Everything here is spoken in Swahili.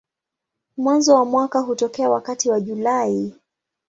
Mwanzo wa mwaka hutokea wakati wa Julai.